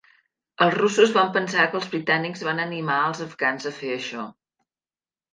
Els russos van pensar que els britànics van animar els afgans a fer això.